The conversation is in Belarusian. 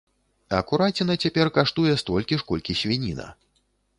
А кураціна цяпер каштуе столькі ж, колькі свініна.